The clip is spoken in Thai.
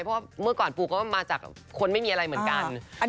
เพราะว่าเมื่อก่อนปูก็มาจากคนไม่มีอะไรเหมือนกัน